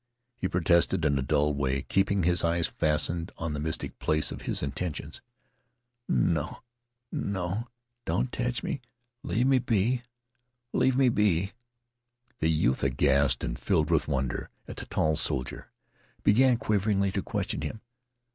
He protested in a dulled way, keeping his eyes fastened on the mystic place of his intentions. "No no don't tech me leave me be leave me be " The youth, aghast and filled with wonder at the tall soldier, began quaveringly to question him.